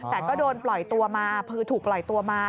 แต่ก็โดนปล่อยตัวมาคือถูกปล่อยตัวมา